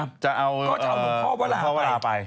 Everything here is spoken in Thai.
ก็จะเอามุมพ่อเวลาไป